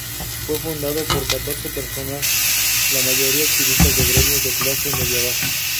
Fue fundado por catorce personas, la mayoría activistas de gremios de clase media baja.